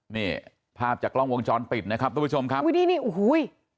นี่ภาพจากกล้องวงจรปิดนะครับทุกผู้ชมครับอุ้ยนี่นี่โอ้โห